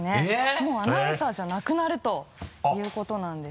もうアナウンサーじゃなくなるということなんです。